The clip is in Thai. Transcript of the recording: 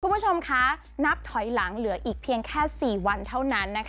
คุณผู้ชมคะนับถอยหลังเหลืออีกเพียงแค่๔วันเท่านั้นนะคะ